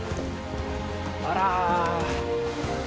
あら。